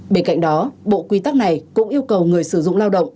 bên cạnh đó bộ quy tắc này cũng yêu cầu người sử dụng lao động